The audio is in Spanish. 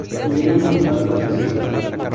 Tuvieron un total de tres hijos.